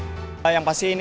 yang pasti ini sangat menarik